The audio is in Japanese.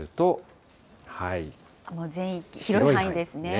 雲、全域、広い範囲ですね。